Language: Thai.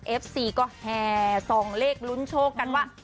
เอฟซีก็แห่ส่องเลขลุ้นโชคกันว่า